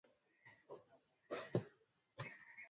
ajali hiyo ilitabiriwa tangu mwaka elfu moja mia tisa